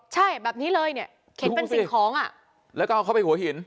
ใช่แบบนี้เลยเนี่ยเข็นเป็นสิ่งของอ่ะแล้วก็เอาเขาไปหัวหิน